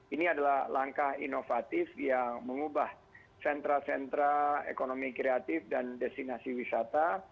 ini adalah langkah inovatif yang mengubah sentra sentra ekonomi kreatif dan destinasi wisata